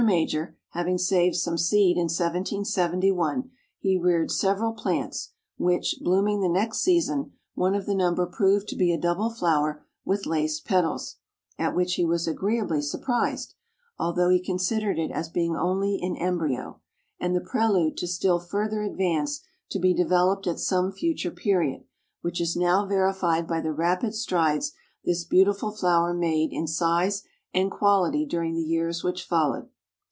MAJOR having saved some seed in 1771, he reared several plants, which, blooming the next season, one of the number proved to be a double flower with laced petals, at which he was agreeably surprised, although he considered it as being only in embryo, and the prelude to still further advance to be developed at some future period, which is now verified by the rapid strides this beautiful flower made in size and quality during the years which followed.